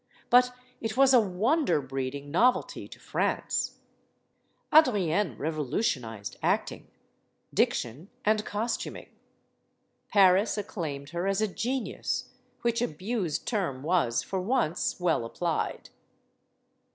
But it was a wonder breeding novelty to France. Adrienne revolutionized acting, diction, and costuming. Paris acclaimed her as a genius; which abused term was for once well applied.